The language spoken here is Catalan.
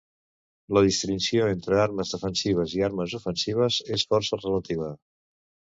la distinció entre armes defensives i armes ofensives és força relativa